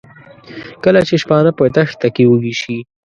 کله چې شپانه په دښته کې وږي شي.